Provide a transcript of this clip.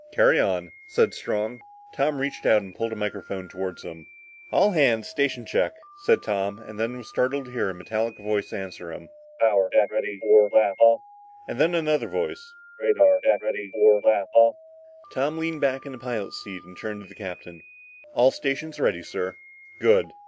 "Carry on," said Strong. Tom reached out and pulled a microphone toward him. "All hands! Station check!" said Tom, and then was startled to hear a metallic voice answer him. "Power deck, ready for blast off!" And then another voice: "Radar deck, ready for blast off!" Tom leaned back in the pilot's seat and turned to the captain. "All stations ready, sir." "Good!